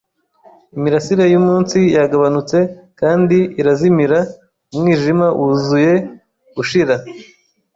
imirasire yumunsi yagabanutse kandi irazimira, umwijima wuzuye ushira